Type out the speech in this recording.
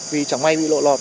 vì chẳng may bị lộ lọt